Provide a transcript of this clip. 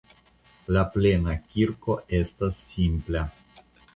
La plena kirko estas simpla.